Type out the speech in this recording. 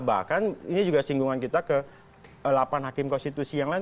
bahkan ini juga singgungan kita ke delapan hakim konstitusi yang lain